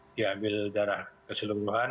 diambil darah keseluruhan